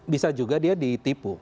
bisa juga dia ditipu